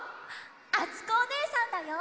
あつこおねえさんだよ！